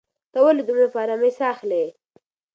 ته ولې دومره په ارامۍ ساه اخلې؟